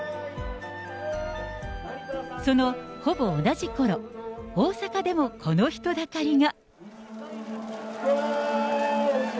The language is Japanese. そのほぼ同じころ、大阪でもこの人だかりが。